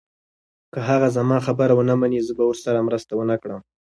که هغه زما خبره ونه مني، زه به ورسره مرسته ونه کړم.